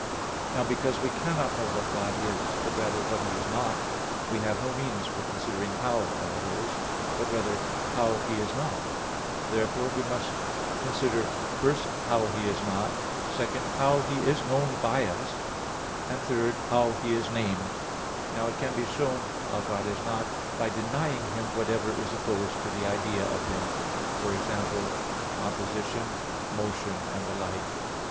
Now, because we cannot know what God is, but rather what He is not, we have no means for considering how God is, but rather how He is not. Therefore, we must consider: (1) How He is not; (2) How He is known by us; (3) How He is named. Now it can be shown how God is not, by denying Him whatever is opposed to the idea of Him, viz. composition, motion, and the like.